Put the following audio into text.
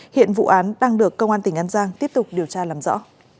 hiện vụ án đang được công an tỉnh an giang tiếp tục điều tra làm rõ